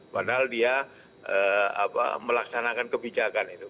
padahal dia melaksanakan kebijakan itu